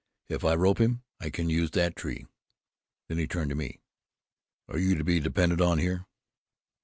If I rope him, I can use that tree." Then he turned to me: "Are you to be depended on here?"